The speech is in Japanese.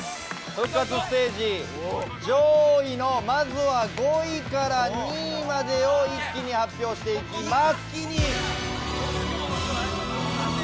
復活ステージ上位のまずは５位から２位までを一気に発表していきます。